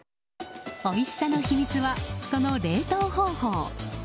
おいしさの秘密はその冷凍方法。